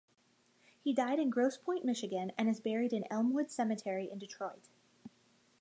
He died in Grosse Pointe, Michigan, and is buried in Elmwood Cemetery in Detroit.